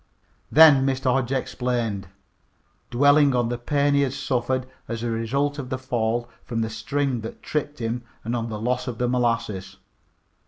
Then Mr. Hodge explained, dwelling on the pain he had suffered as a result of the fall from the string that tripped him and on the loss of the molasses.